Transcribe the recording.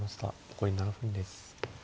残り７分です。